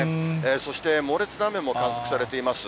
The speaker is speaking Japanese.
そして、猛烈な雨も観測されています。